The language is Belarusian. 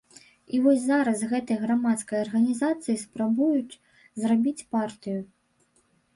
І вось зараз з гэтай грамадскай арганізацыі спрабуюць зрабіць партыю.